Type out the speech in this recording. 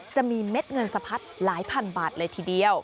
เม็ดเงินสะพัดหลายพันบาทเลยทีเดียว